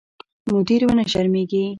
مدیر ونه شرمېږي.